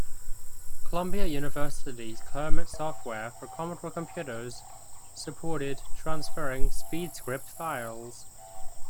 Columbia University's Kermit software for Commodore computers supported transferring SpeedScript files.